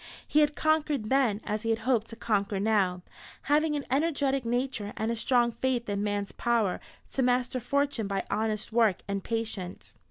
He had conquered then, as he hoped to conquer now, having an energetic nature, and a strong faith in man's power to master fortune by honest work and patience.